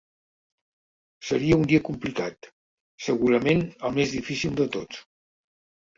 Seria un dia complicat, segurament el més difícil de tots.